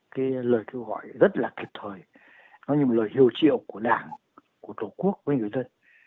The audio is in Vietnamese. cái lời kêu gọi rất là kịp thời nó như một lời hiệu triệu của đảng của tổ quốc của những người dân